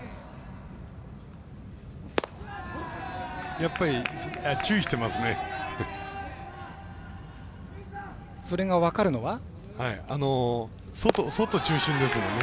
やっぱり注意してますね。